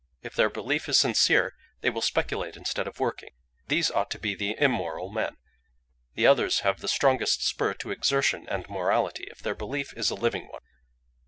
If their belief is sincere they will speculate instead of working: these ought to be the immoral men; the others have the strongest spur to exertion and morality, if their belief is a living one.